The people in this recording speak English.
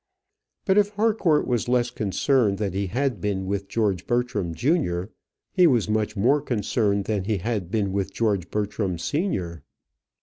But if Harcourt was less concerned than he had been with George Bertram junior, he was much more concerned than he had been with George Bertram senior.